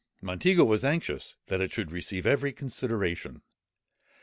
Monteagle was anxious that it should receive every consideration.